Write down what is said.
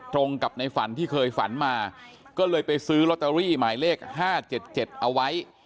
ตรงกับในฝันที่เคยฝันมาก็เลยไปซื้อลอตเตอรี่หมายเลข๕๗๗เอาไว้